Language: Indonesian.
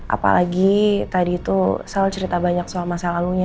apalagi tadi tuh selalu cerita banyak soal masa lalunya